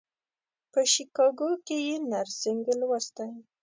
په شیکاګو کې یې نرسنګ لوستی.